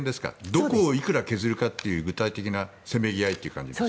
どこをいくら削るかという具体的なせめぎ合いという感じですか。